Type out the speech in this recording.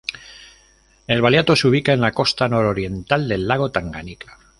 El valiato se ubica en la costa nororiental del lago Tanganica.